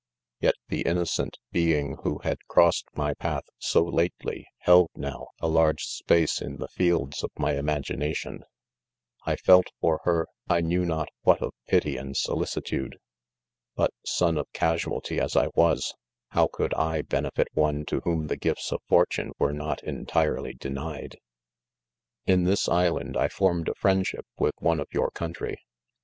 Yet the innocent being who had crossed my path so lately, held now, a large space in the fields of my imagination 5 1 felt for her, I knew not what of pity and solicitude ; but, son of casualty as I was, how could I ben efit one to whom the gifts of fortune were not entirely denied 1 " In this island I formed a friendship with one of your c ountry.